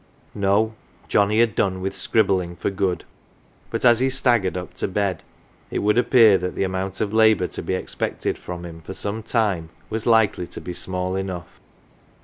No, Johnnie had done with scribbling for good ; but as he staggered up to bed it would appear that the 67 CELEBRITIES amount of labour to be expected from him for some time was likely to be small enough.